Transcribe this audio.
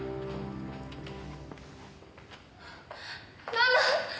ママ！